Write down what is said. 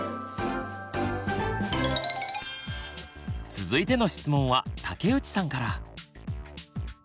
続いての質問は武内さんから。